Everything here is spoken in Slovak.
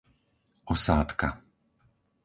Osádka